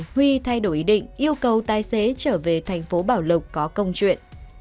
huy thay đổi ý định yêu cầu tài xế trở về thành phố bảo lộc có công chuyện